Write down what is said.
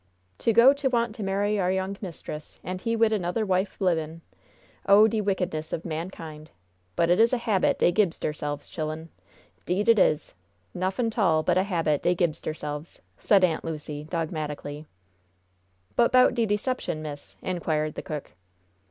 "To go to want to marry our young mistress, and he wid anoder wife libin'! Oh, de wickedness ob mankind! But it is a habit dey gibs deirselves, child'en! 'Deed it is! Nuffin' 'tall but a habit dey gibs deirselves!" said Aunt Lucy, dogmatically. "But 'bout de deception, miss?" inquired the cook.